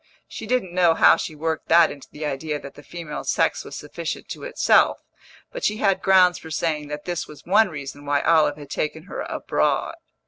She didn't know how she worked that into the idea that the female sex was sufficient to itself; but she had grounds for saying that this was one reason why Olive had taken her abroad.